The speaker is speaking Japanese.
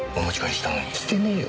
してねえよ。